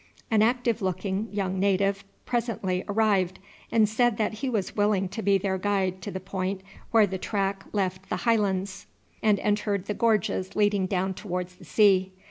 An active looking young native presently arrived, and said that he was willing to be their guide to the point where the track left the high lands and entered the gorges leading down towards the sea.